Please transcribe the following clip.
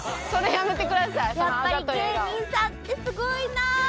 やっぱり芸人さんってすごいな！